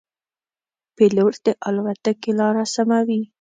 پیلوټ د الوتکې لاره سموي.